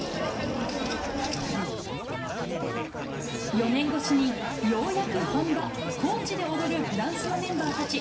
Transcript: ４年越しにようやく本場、高知で踊るフランスのメンバーたち。